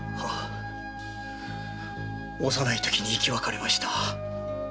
幼いときに生き別れました。